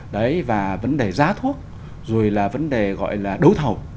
đấy và vấn đề giá thuốc rồi là vấn đề gọi là đấu thầu